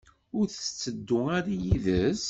Ur tetteddu ara yid-s?